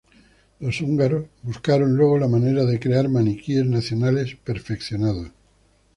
Los húngaros buscaron luego la manera de crear maniquíes nacionales perfeccionados.